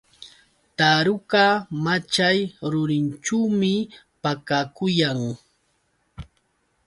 Taruka machay rurinćhuumi pakakuyan.